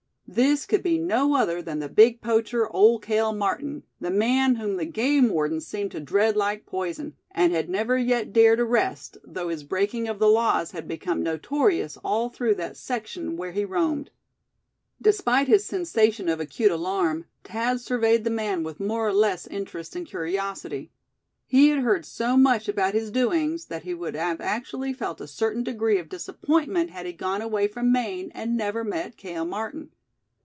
This could be no other than the big poacher, Old Cale Martin, the man whom the game wardens seemed to dread like poison, and had never yet dared arrest, though his breaking of the laws had become notorious all through that section where he roamed. Despite his sensation of acute alarm, Thad surveyed the man with more or less interest and curiosity. He had heard so much about his doings that he would have actually felt a certain degree of disappointment had he gone away from Maine and never met Cale Martin.